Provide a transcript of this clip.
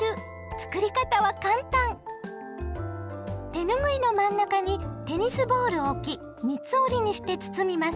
手ぬぐいの真ん中にテニスボールを置き三つ折りにして包みます。